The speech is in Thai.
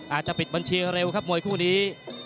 อาจจะปิดบัญชีเร็วครับมวยคู่นี้